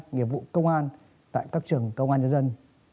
nghiệp vụ công an tại các trường công an nhân dân